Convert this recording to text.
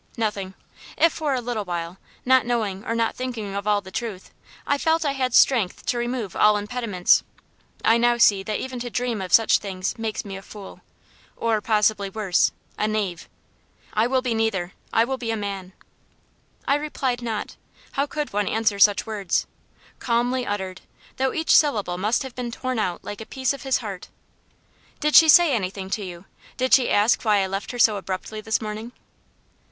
"Nothing. If for a little while not knowing or not thinking of all the truth I felt I had strength to remove all impediments, I now see that even to dream of such things makes me a fool, or possibly worse a knave. I will be neither I will be a man." I replied not: how could one answer such words? calmly uttered, though each syllable must have been torn out like a piece of his heart. "Did she say anything to you? Did she ask why I left her so abruptly this morning?"